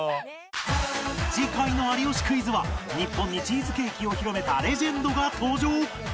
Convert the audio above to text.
次回の『有吉クイズ』は日本にチーズケーキを広めたレジェンドが登場！